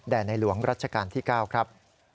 แด่ในหลวงราชการที่๙ครับ